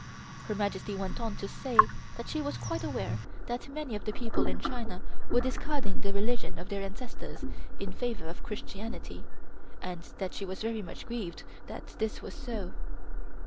Her Majesty went on to say that she was quite aware that many of the people in China were discarding the religion of their ancestors in favor of Christianity, and that she was very much grieved that this was so.